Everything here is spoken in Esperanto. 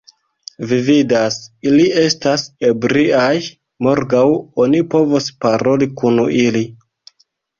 Vi vidas, ili estas ebriaj, morgaŭ oni povos paroli kun ili!